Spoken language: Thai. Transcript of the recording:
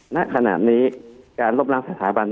ณขนาดนี้การล้มล้างสถาบัน